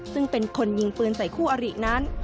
ซึ่งเป็นคนยิงปืนใส่คู่อรินั้น